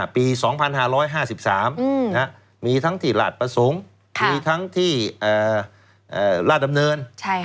ปี๒๕๕๓มีทั้งที่หลาดประสงค์มีทั้งที่ราชดำเนิน